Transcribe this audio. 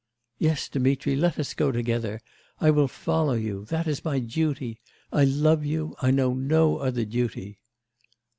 'Yes, Dmitri, let us go together; I will follow you.... That is my duty. I love you.... I know no other duty.